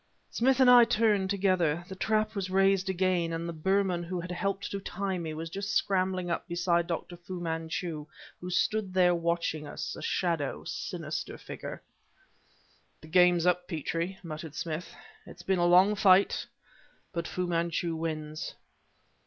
Smith and I turned, together. The trap was raised again, and the Burman, who had helped to tie me, was just scrambling up beside Dr. Fu Manchu, who stood there watching us, a shadowy, sinister figure. "The game's up, Petrie!" muttered Smith. "It has been a long fight, but Fu Manchu wins!"